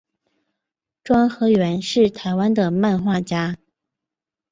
庄河源是台湾的漫画家。